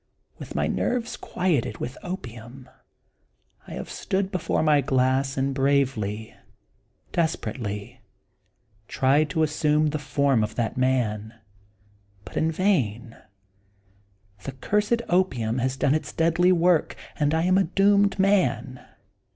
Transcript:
With my nerves quieted with opium I have stood before my glass, and bravely, desperately tried to assume the form of that man, but in vain ; the cursed opium has done its deadly work, and I am a doomed man.